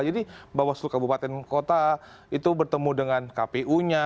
jadi bawaslu kabupaten kota itu bertemu dengan kpu nya